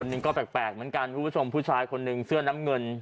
คนหนึ่งก็แปลกผู้ชมผู้ชายคนหนึ่งเสื้อน้ำเงิน